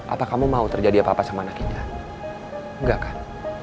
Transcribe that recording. apa kamu mau terjadi apa apa sama anak kita enggak kan